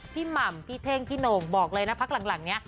หม่ำพี่เท่งพี่โหน่งบอกเลยนะพักหลังเนี่ย